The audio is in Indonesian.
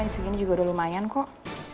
segini juga udah lumayan kok